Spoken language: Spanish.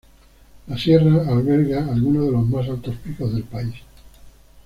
La sierra alberga algunos de los más altos picos del país.